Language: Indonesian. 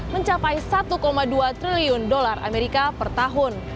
mencapai satu dua triliun dolar amerika per tahun